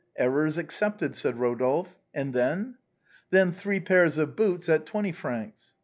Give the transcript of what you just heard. " Errors excepted," said Eodolphe. "And then ?"" Then three pairs of boots at twenty francs."